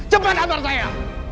cepat antar saya